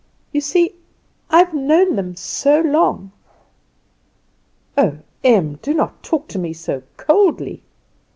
You see I have known them so long!" "Oh, Em, do not talk to me so coldly!"